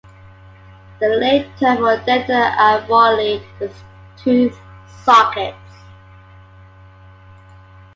The lay term for dental alveoli is tooth sockets.